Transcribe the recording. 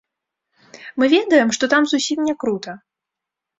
Мы ведаем, што там зусім не крута.